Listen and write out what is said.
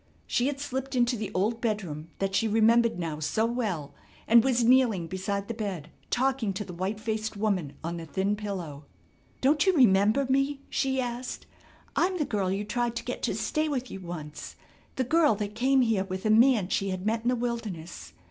She had slipped into the old bedroom that she remembered now so well and was kneeling beside the bed talking to the white faced woman on the thin pillow: "Don't you remember me," she asked, "I'm the girl you tried to get to stay with you once. The girl that came here with a man she had met in the wilderness.